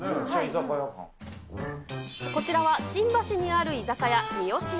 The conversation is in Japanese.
こちらは新橋にある居酒屋、三芳八。